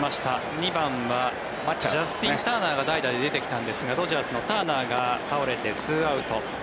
２番はジャスティン・ターナーが代打で出てきたんですがドジャースのターナーが倒れて２アウト。